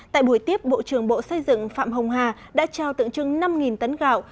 tại buổi tiếp bộ trưởng bộ xây dựng phạm hồng hà đã trao tượng trưng năm tấn gạo